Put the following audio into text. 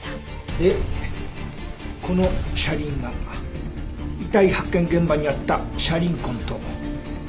でこの車輪が遺体発見現場にあった車輪痕と一致しました。